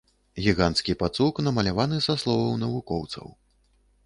Гіганцкі пацук, намаляваны са словаў навукоўцаў.